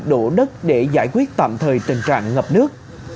đổ đất để giải quyết tạm thời tình trạng ngập nước